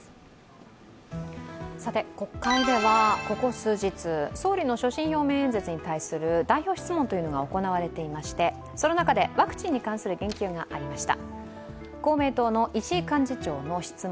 国会ではここ数日、総理の所信表明演説に対する代表質問が行われていまして、その中でワクチンに関する言及がありました。